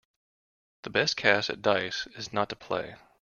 The best cast at dice is not to play.